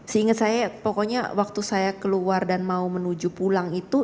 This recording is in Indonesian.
seingat saya pokoknya waktu saya keluar dan mau menuju pulang itu